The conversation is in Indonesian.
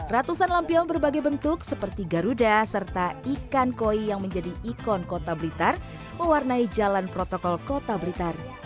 ratusan lampion berbagai bentuk seperti garuda serta ikan koi yang menjadi ikon kota blitar mewarnai jalan protokol kota blitar